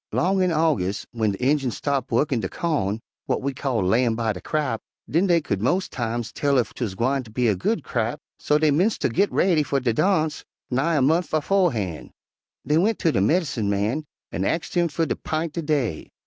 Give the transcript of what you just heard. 'Long in Augus' w'en de Injuns stopped wu'kkin' de cawn, w'at we call 'layin' by de crap,' den dey cu'd mos' times tell ef 'twuz gwineter be a good crap, so dey 'mence ter git raidy fer de darnse nigh a month befo'han'. Dey went ter de medincin' man an' axed him fer ter 'pint de day.